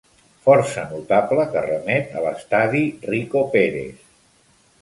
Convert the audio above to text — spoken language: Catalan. Força notable que remet a l'estadi Rico Pérez.